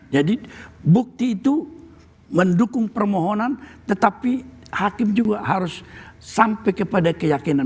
jadi bukti itu mendukung permohonan tetapi hakim juga harus sampai kepada keyakinan